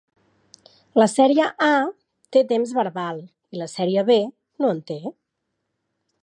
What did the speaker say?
La sèrie A té temps verbal i la sèrie B no en té.